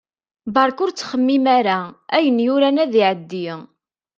Berka ur ttxemmim ara, ayen yuran ad iɛeddi.